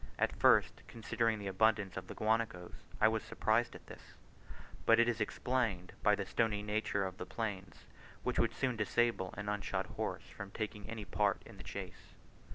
At first, considering the abundance of the guanacos, I was surprised at this; but it is explained by the stony nature of the plains, which would soon disable an unshod horse from taking part in the chase.